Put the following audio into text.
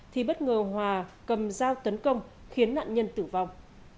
thì bất ngờ hòa cầm dao tấn công khiến nạn nhân tử vong